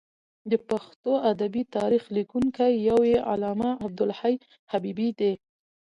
د پښتو ادبي تاریخ لیکونکی یو یې علامه عبدالحی حبیبي دی.